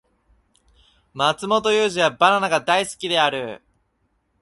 マツモトユウジはバナナが大好きである